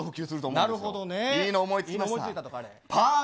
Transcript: いいの思いつきました。